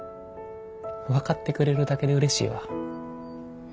分かってくれるだけでうれしいわ。